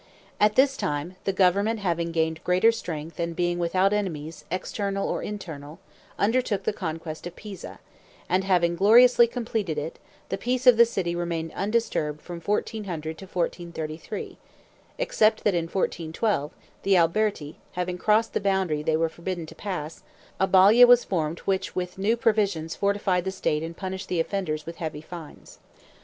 At this time, the government having gained greater strength, and being without enemies external or internal, undertook the conquest of Pisa, and having gloriously completed it, the peace of the city remained undisturbed from 1400 to 1433, except that in 1412, the Alberti, having crossed the boundary they were forbidden to pass, a Balia was formed which with new provisions fortified the state and punished the offenders with heavy fines.